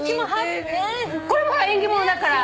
これも縁起ものだから。